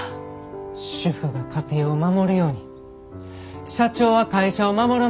「主婦が家庭を守るように社長は会社を守らなあきません」。